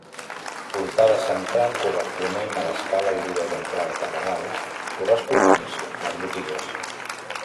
Portada central corresponent a l'escala i dues entrades laterals corresponents a les botigues.